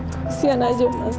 kekasian aja mas